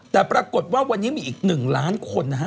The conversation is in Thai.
แต่ปรากฏว่าวันนี้มีอีก๑ล้านคนนะฮะ